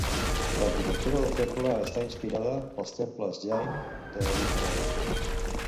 L'arquitectura del temple està inspirada pels temples Jain de Gujarat.